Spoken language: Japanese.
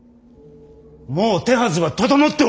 もう手はずは整っておる！